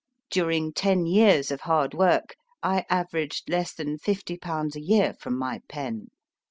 During ten years of hard work, I averaged less than fifty pounds a year from my pen.